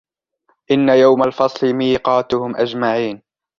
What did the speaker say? إن يوم الفصل ميقاتهم أجمعين